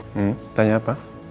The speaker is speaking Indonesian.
hmm tanya apa